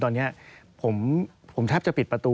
สวัสดีค่ะที่จอมฝันครับ